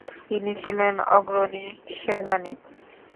তিনি ছিলেন অগ্রণী সেনানী।